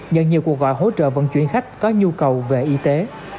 nhận nhiều cuộc gọi hỗ trợ vận chuyển khách có nhu cầu về y tế